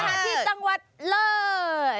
ที่จังหวัดเลย